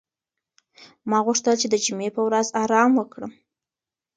ما غوښتل چې د جمعې په ورځ ارام وکړم.